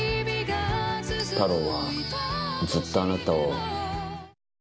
タローはずっとあなたを。